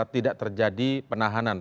tidak terjadi penahanan